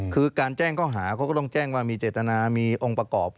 คือการแจ้งข้อหาเขาก็ต้องแจ้งว่ามีเจตนามีองค์ประกอบ